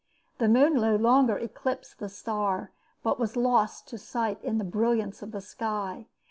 The moon no longer eclipsed the star but was lost to sight in the brilliance of the sky.